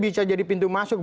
bisa jadi pintu masuk